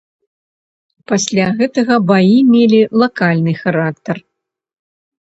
Пасля гэтага баі мелі лакальны характар.